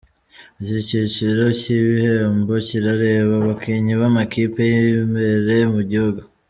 Iki cyiciro cy’ibihembo kirareba abakinnyi b’amakipe y’imbere mu gihugu.